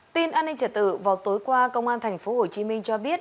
tin an ninh trả tự vào tối qua công an tp hcm cho biết